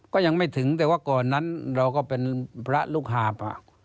ก็ยังไม่ถึงแต่ว่าก่อนนั้นเราก็เป็นพระลูกหาบ